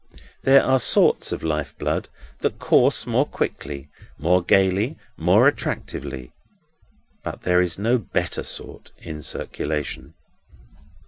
There are sorts of life blood that course more quickly, more gaily, more attractively; but there is no better sort in circulation.